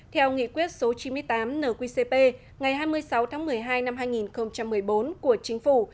theo nghị quyết số chín mươi tám nqcp ngày hai mươi sáu tháng một mươi hai năm hai nghìn một mươi bốn của chính phủ